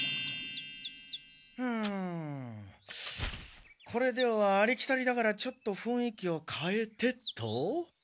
うむこれではありきたりだからちょっとふんい気をかえてっと。